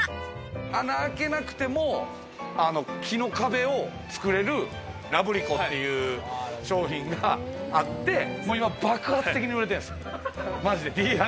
穴を開けなくても木の壁を作れるラブリコっていう商品があって、それが爆発的に売れているんです。